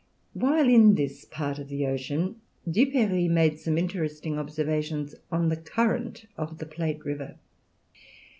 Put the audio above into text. While in this part of the ocean Duperrey made some interesting observations on the current of the Plate River.